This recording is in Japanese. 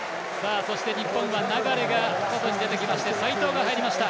そして、日本は流が外に出てきまして齋藤が入りました。